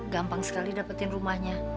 gampang sekali dapetin rumahnya